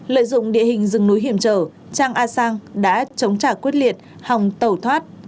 lợi dụng địa hình rừng núi hiểm trở trang a sang đã chống trả quyết liệt hòng tẩu thoát